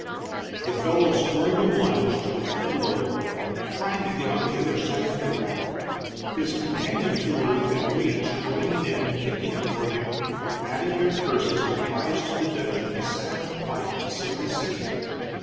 The fellow squirmed and lunged, with head lowered, trying to get on the other side of the rack, his companions who were within reach joining in kicking at Morgan, adding their curses and cries to the Dutchman's silent fight to save his skin.